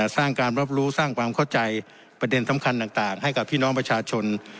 สร้างการรับรู้สร้างความเข้าใจประเด็นสำคัญต่างให้กับพี่น้องประชาชน